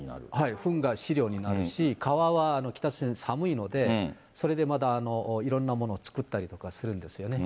ふんが飼料になるし、川は北朝鮮、寒いので、それでまだ、いろんなものを作ったりとかするんですよね。